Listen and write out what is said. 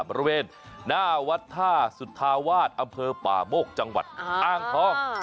บริเวณหน้าวัดท่าสุธาวาสอำเภอป่าโมกจังหวัดอ้างทอง